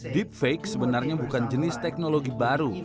deepfake sebenarnya bukan jenis teknologi baru